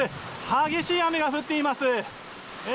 激しい雨が降っています。